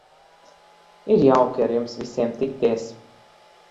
Ir jauki ar jums visiem tikties.